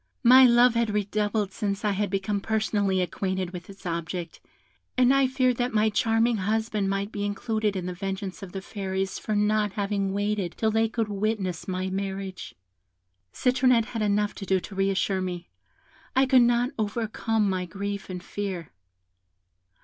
My love had redoubled since I had become personally acquainted with its object, and I feared that my charming husband might be included in the vengeance of the Fairies for not having waited till they could witness my marriage. Citronette had enough to do to re assure me; I could not overcome my grief and fear.